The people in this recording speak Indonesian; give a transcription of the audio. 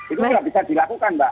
itu sudah bisa dilakukan mbak